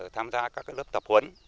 tham gia các lớp tập huấn